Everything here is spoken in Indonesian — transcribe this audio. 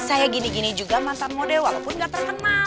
saya gini gini juga mantap mode walaupun gak terkenal